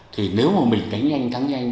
thì nếu mà mình đánh nhanh thắng nhanh